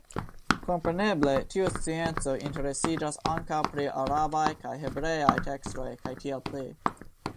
Kompreneble tiu scienco interesiĝas ankaŭ pri arabaj kaj hebreaj tekstoj kaj tiel pli.